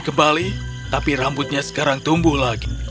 kembali tapi rambutnya sekarang tumbuh lagi